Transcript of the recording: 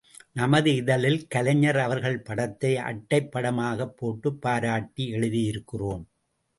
நமது இதழில் கலைஞர் அவர்கள் படத்தை அட்டைப் படமாகப் போட்டுப் பாராட்டி எழுதியிருக்கிறோம்.